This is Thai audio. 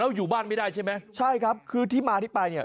อยู่บ้านไม่ได้ใช่ไหมใช่ครับคือที่มาที่ไปเนี่ย